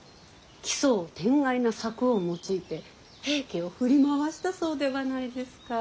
奇想天外な策を用いて平家を振り回したそうではないですか。